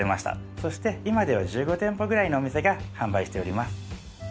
そして今では１５店舗ぐらいのお店が販売しております。